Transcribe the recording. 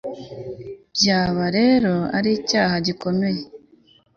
byaba rero ari icyaha gikomeye